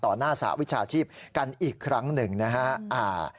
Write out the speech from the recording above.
หน้าสหวิชาชีพกันอีกครั้งหนึ่งนะฮะ